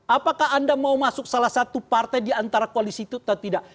apakah anda mau masuk salah satu partai di antara koalisi itu atau tidak